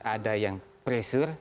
ada yang pressure